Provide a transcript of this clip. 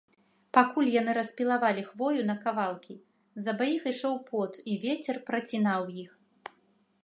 Пакуль яны распілавалі хвою на кавалкі, з абаіх ішоў пот, і вецер працінаў іх.